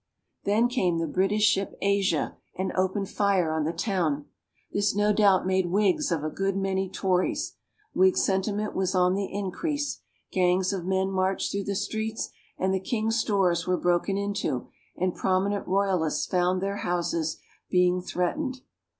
Then came the British ship "Asia" and opened fire on the town. This no doubt made Whigs of a good many Tories. Whig sentiment was on the increase; gangs of men marched through the streets and the king's stores were broken into, and prominent Royalists found their houses being threatened.